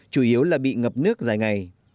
chủ yếu là bị ngập nước dài ngày